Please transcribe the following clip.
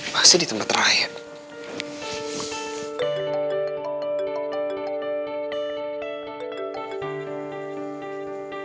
pasti di tempat rakyat